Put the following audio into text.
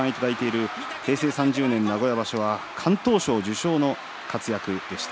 平成３０年名古屋場所は敢闘賞受賞の活躍でした。